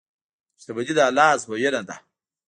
• شتمني د الله ازموینه ده.